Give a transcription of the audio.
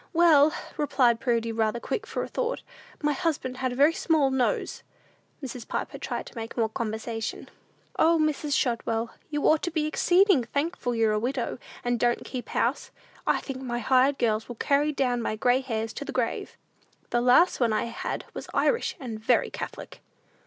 "Well," replied Prudy, rather quick for a thought, "my husband had a very small nose!" Mrs. Piper tried to make more "conversation." "O, Mrs. Shotwell, you ought to be exceeding thankful you're a widow, and don't keep house! I think my hired girls will carry down my gray hairs to the grave! The last one I had was Irish, and very Catholic."